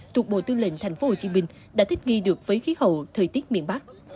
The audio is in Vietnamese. thuộc bộ tư lệnh tp hcm đã thích nghi được với khí hậu thời tiết miền bắc